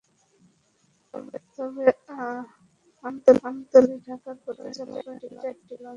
তবে আমতলী-ঢাকার পথে চলাচলকারী চারটি লঞ্চের মধ্যে তিনটিতে আনসার সদস্য আছেন।